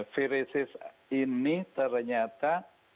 viruses ini ternyata